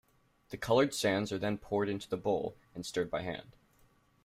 The colored sands are then poured into the bowl and stirred by hand.